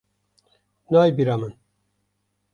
Nayê bîra min!